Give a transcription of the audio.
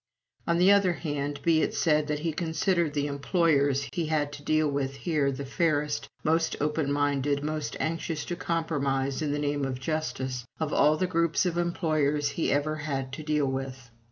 On the other hand, be it said that he considered the employers he had to deal with here the fairest, most open minded, most anxious to compromise in the name of justice, of all the groups of employers he ever had to deal with.